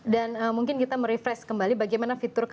dan mungkin kita merefresh kembali bagaimana fitur fitur yang baru ini